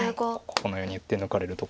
このように打って抜かれるとか。